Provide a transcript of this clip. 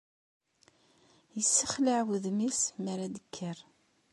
Isexlaɛ wudem-is mi ara d-tekker